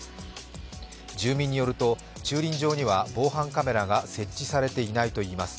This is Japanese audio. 住民によると駐輪場には防犯カメラが設置されていないといいます。